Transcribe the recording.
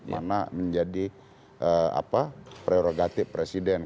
mana menjadi prerogatif presiden